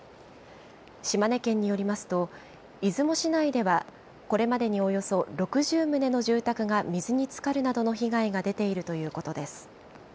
島根県によりますと、出雲市内では、これまでにおよそ６０棟の住宅が水につかるなどの被害が出ているということです。